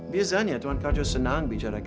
biasanya tuan karjo senang bicarakan hal itu